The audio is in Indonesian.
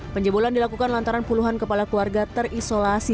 penjebolan dilakukan lantaran puluhan kepala keluarga terisolasi